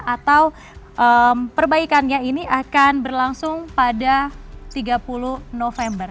atau perbaikannya ini akan berlangsung pada tiga puluh november